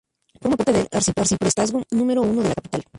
Forma parte del arciprestazgo número uno de la capital.